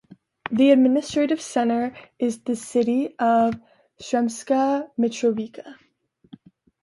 The administrative center is the city of Sremska Mitrovica.